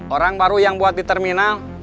orang baru yang buat di terminal